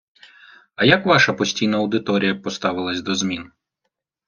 А як ваша постійна аудиторія поставилася до змін?